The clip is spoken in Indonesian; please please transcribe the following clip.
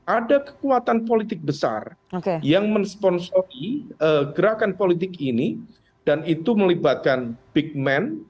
ada kekuatan politik besar yang mensponsori gerakan politik ini dan itu melibatkan big man